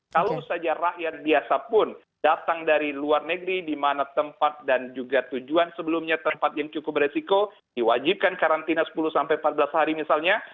kalau saja rakyat biasa pun datang dari luar negeri di mana tempat dan juga tujuan sebelumnya tempat yang cukup beresiko diwajibkan karantina sepuluh sampai empat belas hari misalnya